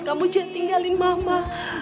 kamu jangan tinggalin mama